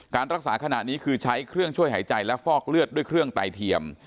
รักษาขณะนี้คือใช้เครื่องช่วยหายใจและฟอกเลือดด้วยเครื่องไตเทียม